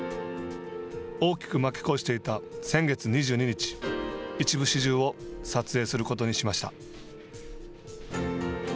大きく負け越していた先月２２日一部始終を撮影することにしました。